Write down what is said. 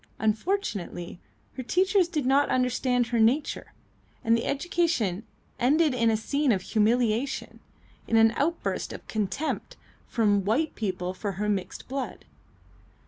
Unfortunately her teachers did not understand her nature, and the education ended in a scene of humiliation, in an outburst of contempt from white people for her mixed blood.